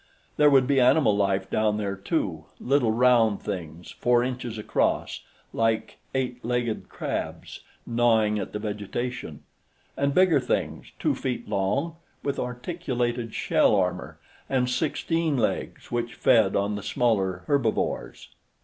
There would be animal life down there, too little round things, four inches across, like eight legged crabs, gnawing at the vegetation, and bigger things, two feet long, with articulated shell armor and sixteen legs, which fed on the smaller herbivores.